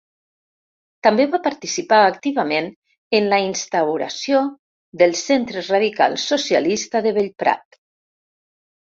També va participar activament en la instauració del Centre Radical Socialista de Bellprat.